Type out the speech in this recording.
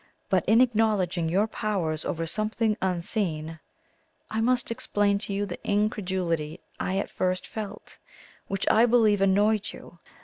But in acknowledging your powers over something unseen, I must explain to you the incredulity I at first felt, which I believe annoyed you.